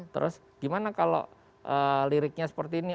terus gimana kalau liriknya seperti ini